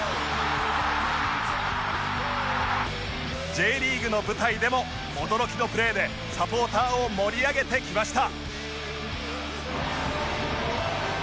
Ｊ リーグの舞台でも驚きのプレーでサポーターを盛り上げてきました！